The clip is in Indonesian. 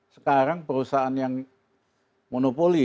sekarang perusahaan yang monopoli